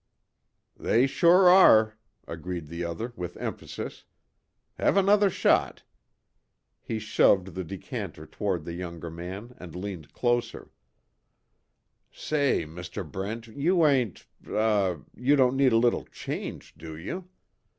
"They sure are," agreed the other with emphasis, "Have another shot," he shoved the decanter toward the younger man and leaned closer: "Say Mr. Brent, you ain't er, you don't need a little change, do you?